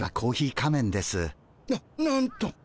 ななんと。